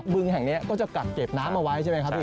บึงแห่งนี้ก็จะกักเก็บน้ำเอาไว้ใช่ไหมครับพี่